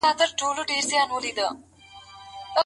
ښه پایله یوازي با استعداده کسانو ته نه سي منسوبېدلای.